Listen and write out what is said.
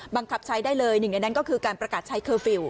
บังคับใช้ได้เลยหนึ่งในนั้นก็คือการประกาศใช้เคอร์ฟิลล